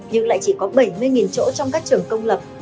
nhưng lại chỉ có bảy mươi chỗ trong các trường công lập